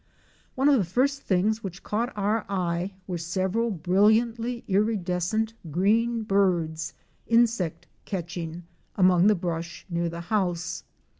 One of the first things which caught our eye were several brilliantly iridescent green birds, insect catching, among the brush near the house.